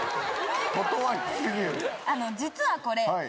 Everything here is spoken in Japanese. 実はこれ。え！